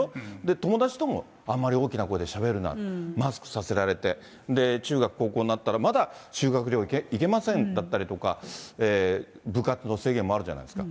友達ともあんまり大きな声でしゃべるな、マスクさせられて、中学、高校になったら、まだ修学旅行行けませんだったりだとか、部活動の制限もあるじゃないですか。